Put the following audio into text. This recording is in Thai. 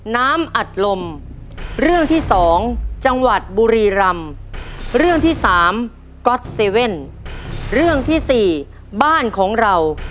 ขอตอบเรื่องน้ำอัดลมค่ะ